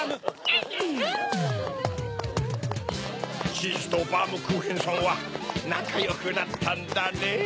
チーズとバームクーヘンさんはなかよくなったんだねぇ。